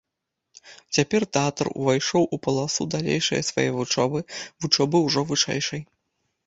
Цяпер тэатр увайшоў у паласу далейшае свае вучобы, вучобы ўжо вышэйшай.